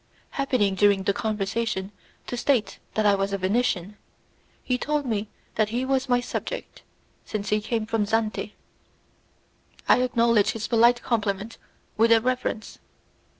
Happening during the conversation to state that I was a Venetian, he told me that he was my subject, since he came from Zante. I acknowledged his polite compliment with a reverence.